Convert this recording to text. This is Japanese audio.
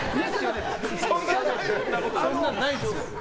そんなのないんですよ。